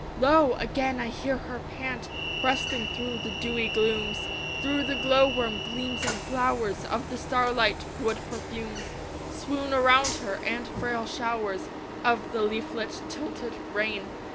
Lo! again I hear her pant Breasting through the dewy glooms Through the glow worm gleams and glowers Of the starlight; wood perfumes Swoon around her and frail showers Of the leaflet tilted rain.